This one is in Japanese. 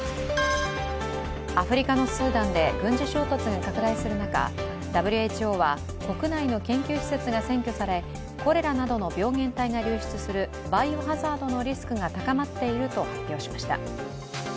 アフリカのスーダンで軍事衝突が拡大する中ＷＨＯは国内の研究施設が占拠され、これらなどの病原体が流出するバイオハザードのリスクが高まっていると発表しました。